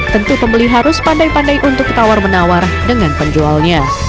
tentu pembeli harus pandai pandai untuk tawar menawar dengan penjualnya